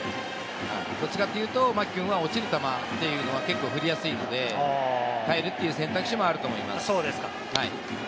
どっちかというと牧くんは落ちる球というのは結構振りやすいので、代えるという選択肢もあると思います。